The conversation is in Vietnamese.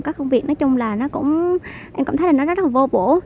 các công việc nói chung là em cũng thấy là nó rất là vô bổ